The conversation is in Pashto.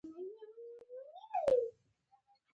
دغه صنعت باید په نړیواله کچه پراخ شي